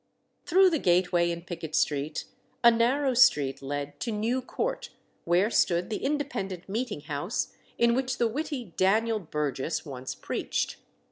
Through the gateway in Pickett Street, a narrow street led to New Court, where stood the Independent Meeting House in which the witty Daniel Burgess once preached.